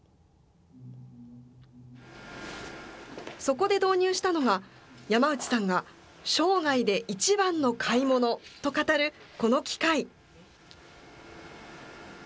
そこで導入したのが、山内さんが生涯で一番の買い物と語るこの機械。